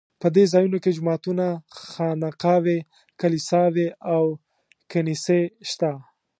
په دې ځایونو کې جوماتونه، خانقاوې، کلیساوې او کنیسې شته.